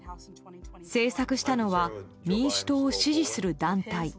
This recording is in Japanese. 制作したのは民主党を支持する団体。